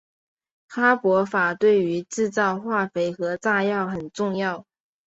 哈柏法对于制造化肥和炸药很重要。